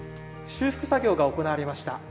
修復作業が行われました。